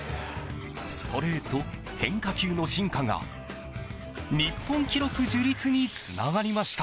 ストレート、変化球の進化が日本記録樹立につながりました。